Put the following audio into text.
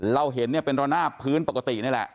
เราเห็นเป็นร้อนหน้าพื้นปกตินี่แหละ